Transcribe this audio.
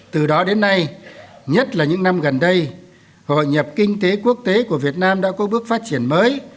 từ đó đến nay nhất là những năm gần đây hội nhập kinh tế quốc tế của việt nam đã có bước phát triển mới